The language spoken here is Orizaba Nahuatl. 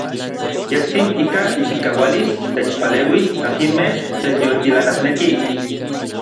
Yejtsin ika ichikaualis techpaleuis akinmej techyoltilanasnekij.